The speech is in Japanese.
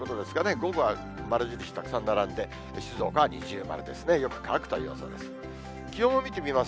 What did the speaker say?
午後は丸印たくさん並んで、静岡は二重丸です、よく乾くという予想です。